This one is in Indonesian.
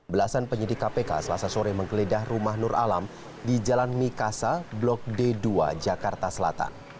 belasan penyidik kpk selasa sore menggeledah rumah nur alam di jalan mikasa blok d dua jakarta selatan